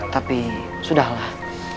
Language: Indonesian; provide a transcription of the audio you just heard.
tapi sudah lah